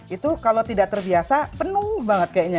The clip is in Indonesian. itu kalau tidak terbiasa penuh banget kayaknya